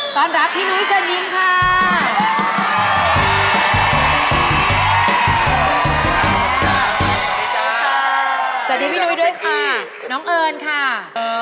สวัสดีค่ะสวัสดีค่ะสวัสดีพี่นุ้ยด้วยค่ะน้องเอิญค่ะ